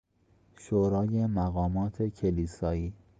شورای مقامات کلیسایی...